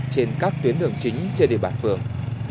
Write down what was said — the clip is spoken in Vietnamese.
trên các tuyến đường chính trên địa bàn phường